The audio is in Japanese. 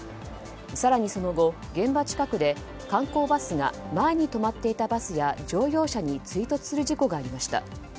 更にその後、現場近くで観光バスが前に止まっていたバスや乗用車に追突する事故がありました。